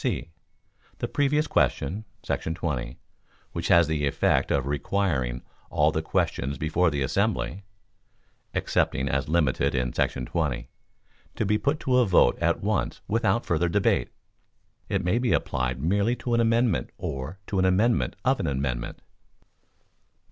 (c) The previous question [§ 20], which has the effect of requiring all the questions before the assembly [excepting as limited in § 20] to be put to vote at once without further debate. It may be applied merely to an amendment or to an amendment of an amendment.